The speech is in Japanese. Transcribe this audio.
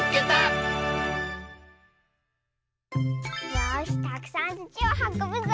よしたくさんつちをはこぶぞ。